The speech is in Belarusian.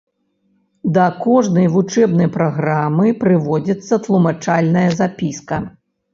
Да кожнай вучэбнай праграмы прыводзіцца тлумачальная запіска.